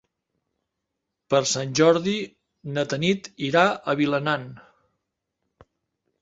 Per Sant Jordi na Tanit irà a Vilanant.